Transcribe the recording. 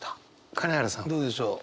金原さんどうでしょう？